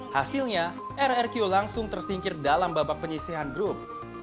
hasilnya rrq langsung tersingkir dalam babak penyisihan grup